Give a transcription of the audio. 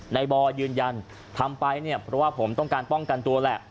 บอยยืนยันทำไปเนี่ยเพราะว่าผมต้องการป้องกันตัวแหละ